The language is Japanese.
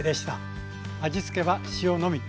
味付けは塩のみ。